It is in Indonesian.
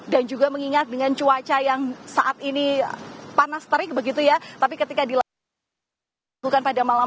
dan juga mengingat dengan cuaca yang saat ini panas terik begitu ya